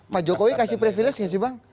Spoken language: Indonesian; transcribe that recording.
pak jokowi kasih previles gak sih bang